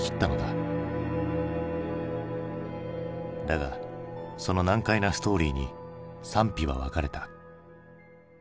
だがその難解なストーリーに賛否は分かれた。